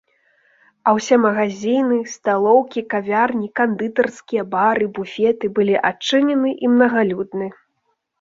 А ўсе магазіны, сталоўкі, кавярні, кандытарскія, бары, буфеты былі адчынены і мнагалюдны.